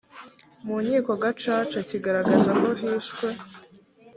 mu nkiko gacaca kigaragaza ko hishwe